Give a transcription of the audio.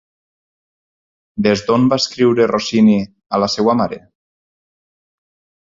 Des d'on va escriure Rossini a la seva mare?